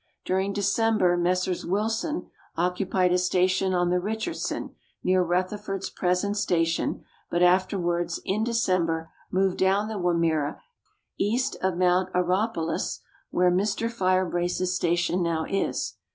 During December Messrs. Wilson occupied a station on the Richardson, near Rutherford's present station, but afterwards (in December) moved down the Wimmera, east of Mount Arapiles, where Mr. Firebrace's station now is.